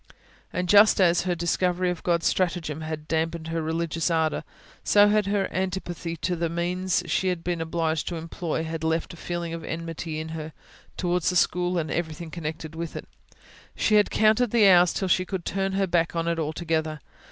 And just as her discovery of God's stratagem had damped her religious ardour, so her antipathy to the means she had been obliged to employ had left a feeling of enmity in her, towards the school and everything connected with it: she had counted the hours till she could turn her back on it altogether.